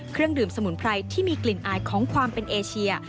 เครื่องดื่มสมุนไพรที่มีกลิ่นอายของความเป็นเอเชีย